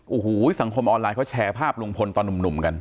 โอ้โหสังคมออนไลน์เขาแชร์ภาพลุงพลตอนหนุ่มกัน